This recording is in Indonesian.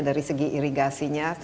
dari segi irigasinya